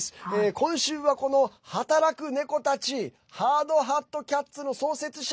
今週は、この働くネコたちハードハットキャッツの創設者